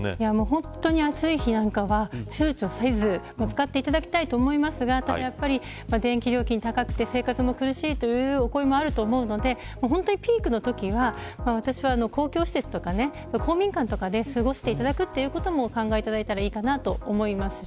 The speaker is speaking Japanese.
本当に暑い日なんかはちゅうちょせず使っていただきたいですが電気料金高くて生活も苦しいという声もあると思うので本当にピークのときは私は、公共施設とか公民館とかで過ごしていただくということも考えていただいたらいいと思います。